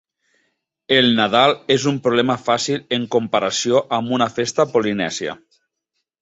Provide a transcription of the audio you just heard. El Nadal és un problema fàcil en comparació amb una festa polinèsia.